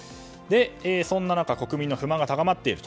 そんな中国民の不満が高まっている。